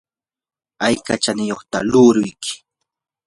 ¿ayka chaniyuqtaq luuruyki?